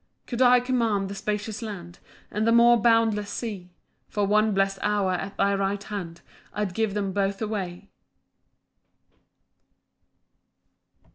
9 Could I command the spacious land, And the more boundless sea, For one blest hour at thy right hand I'd give them both away.